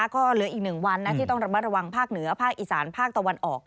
ก็เหลืออีก๑วันที่ต้องระมัดระวังภาคเหนือภาคอีสานภาคตะวันออก